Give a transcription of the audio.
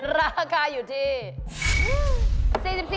ราคาอยู่ที่๔๔